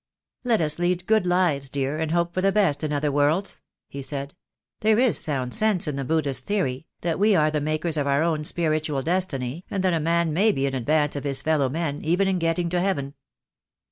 "Let us lead good lives, dear, and hope for the best in other worlds," he said. "There is sound sense in the Buddhist theory, that we are the makers of our own spiritual destiny, and that a man may be in advance *of his fellow men, even in getting to Heaven."